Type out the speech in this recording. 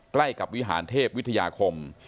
ใกล้กับวิหารเทพวิทยาคม